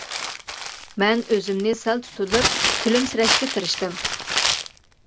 مەن ئۆزۈمنى سەل تۇتۇۋېلىپ كۈلۈمسىرەشكە تىرىشتىم.